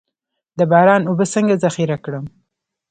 د باران اوبه څنګه ذخیره کړم؟